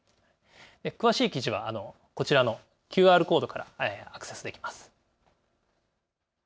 詳しい記事はこちらのＱＲコードからアクセスできます。